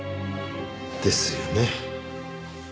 ですよね。